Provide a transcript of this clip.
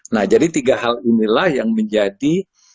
nah jadi tiga hal inilah yang menjadi